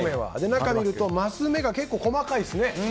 中を見るとマス目が結構細かいですね。